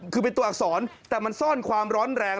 คือเป็นตัวอักษรแต่มันซ่อนความร้อนแรง